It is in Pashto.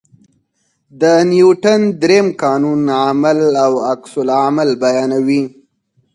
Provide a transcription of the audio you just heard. د نیوټن درېیم قانون عمل او عکس العمل بیانوي.